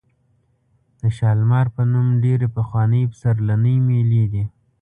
د شالمار په نوم ډېرې پخوانۍ پسرلنۍ مېلې دي.